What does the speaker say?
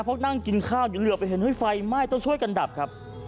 เพราะนั่งกินข้าวอยู่เหลือไปเห็นเฮ้ยไฟไหม้ต้องช่วยกันดับครับ